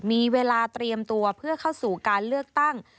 มีเวลาเตรียมตัวเพื่อเข้าสู่การเลือกตั้ง